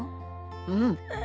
うん。